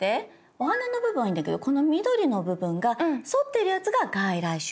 お花の部分はいいんだけどこの緑の部分が反っているやつが外来種。